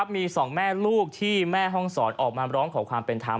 มีสองแม่ลูกที่แม่ห้องศรออกมาร้องขอความเป็นธรรม